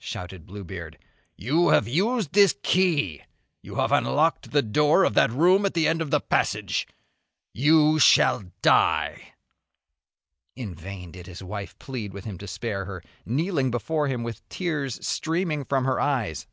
shouted Bluebeard, "you have used this key, you have unlocked the door of that room at the end of the passage. You shall die!!!" In vain did his wife plead with him to spare her, kneeling before him with tears streaming from her eyes.